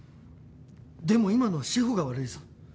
でも今のは志法が悪いぞ。